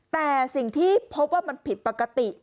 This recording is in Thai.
แต่สิ่งที่พบว่ามันผิดปกติ